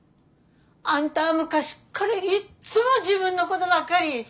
あんたは昔からいっつも自分のことばっかり！